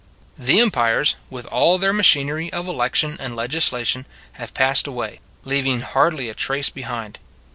The empires, with all their machinery of election and of legislation, have passed away, leaving hardly a trace behind.